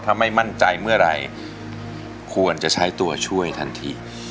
ถ้าไม่มั่นใจเมื่อไหร่ควรจะใช้ตัวช่วยทันที